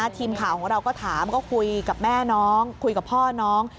ทีมข่าวของเราก็ถามก็คุยกับแม่น้องคุยกับพ่อน้อง